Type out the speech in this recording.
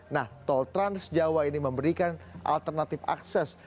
nah tol transjawa ini memberikan alternatif akses